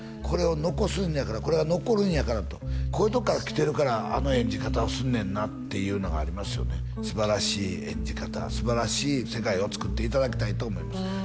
これを残すんやからこれが残るんやからとこういうとこからきてるからあの演じ方をすんねんなっていうのがありますよね素晴らしい演じ方素晴らしい世界をつくっていただきたいと思います